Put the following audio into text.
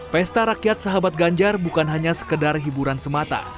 pesta rakyat sahabat ganjar bukan hanya sekedar hiburan semata